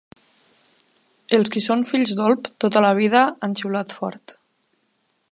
Els qui són fills d'Olp, tota la vida han xiulat fort.